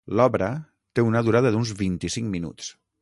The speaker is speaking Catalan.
L'obra té una durada d'uns vint-i-cinc minuts.